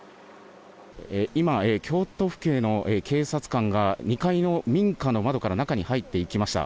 今、京都府警の警察官が２階の民家の窓から中に入っていきました。